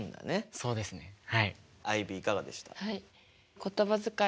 そうですねはい。